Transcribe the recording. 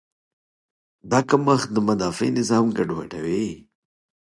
دا کمښت د مدافع نظام ګډوډوي.